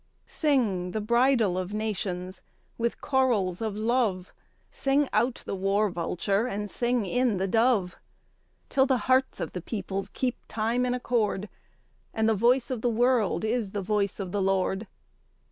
II. Sing the bridal of nations! with chorals of love Sing out the war vulture and sing in the dove, Till the hearts of the peoples keep time in accord, And the voice of the world is the voice of the Lord!